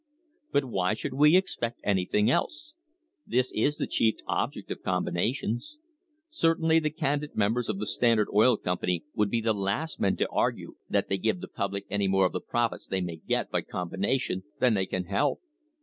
But why should we expect anything else? This is the chief object of combinations. Certainly the candid members of the Stand ard Oil Company would be the last men to argue that they give the public any more of the profits they may get by com bination than they can help.